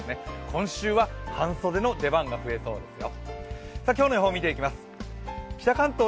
今週は半袖の出番が増えそうですよ。